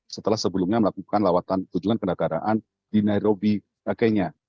setelah sebelumnya melakukan lawatan kunjungan ke negaraan di nairobi kenya